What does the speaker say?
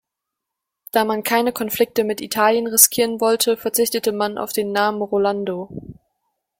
Da man keine Konflikte mit Italien riskieren wollte, verzichtete man auf den Namen Rolando.